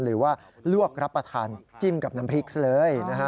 หรือว่าลวกรับประทานจิ้มกับน้ำพริกซะเลยนะฮะ